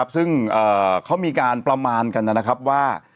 ซึ่งเขามีการประมาณกันนะครับว่า